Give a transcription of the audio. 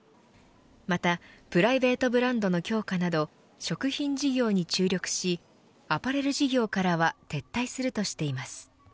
またプライベートブランドの強化など食品事業に注力しアパレル事業からは撤退するとしています。